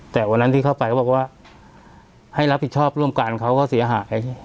แต่วันนั้นที่เข้าไปเขาบอกว่าให้รับผิดชอบร่วมกันเขาก็เสียหาย